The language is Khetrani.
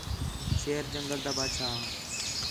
شیر جنگل تا بادشاہ ہا